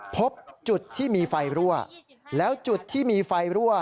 พบจุดที่มีไฟรั่วแล้วจุดที่มีไฟรั่ว